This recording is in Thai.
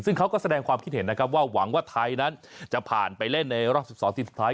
ซึ่งเขาก็แสดงความคิดเห็นนะครับว่าหวังว่าไทยนั้นจะผ่านไปเล่นในรอบ๑๒ทีมสุดท้าย